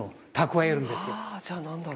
あじゃあ何だろう。